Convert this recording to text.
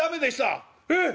「えっ！？